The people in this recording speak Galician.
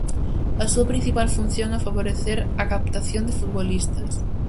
A súa principal función é favorecer a captación de futbolistas.